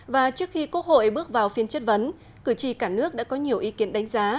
và trước khi quốc hội bước vào phiên chất vấn cử tri cả nước đã có nhiều ý kiến đánh giá